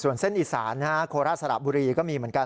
ส่วนเส้นอีสานโคราชสระบุรีก็มีเหมือนกัน